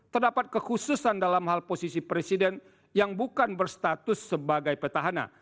terdapat kekhususan dalam hal posisi presiden yang bukan berstatus sebagai petahana